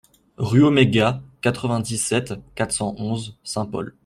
Rue Oméga, quatre-vingt-dix-sept, quatre cent onze Saint-Paul